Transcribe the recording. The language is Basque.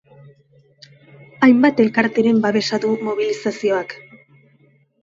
Hainbat elkarteren babesa du mobilizazioak.